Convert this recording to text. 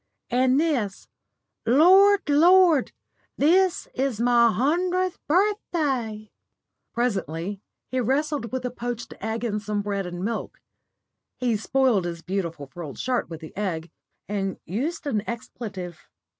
And this Lord! Lord! this is my hundredth birthday!" Presently he wrestled with a poached egg and some bread and milk. He spoiled his beautiful frilled shirt with the egg, and used an expletive.